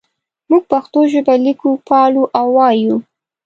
موږ پښتو ژبه لیکو پالو او وایو.